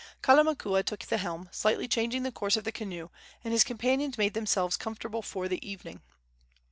Kalamakua took the helm, slightly changing the course of the canoe, and his companions made themselves comfortable for the evening.